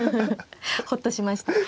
ほっとしました。